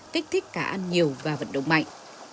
kích thích cá ăn nhiều và vận động mạnh